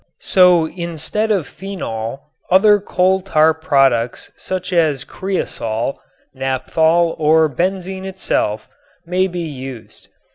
So instead of phenol, other coal tar products such as cresol, naphthol or benzene itself may be used.